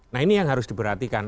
nah ini yang harus diperhatikan